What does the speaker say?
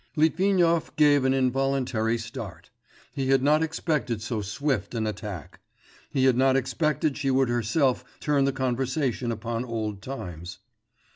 Litvinov gave an involuntary start. He had not expected so swift an attack. He had not expected she would herself turn the conversation upon old times.